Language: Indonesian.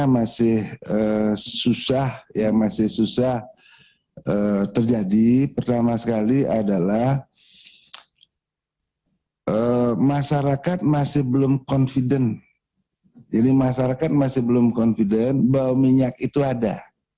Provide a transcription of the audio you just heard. masyarakat masih belum confident bahwa minyak itu ada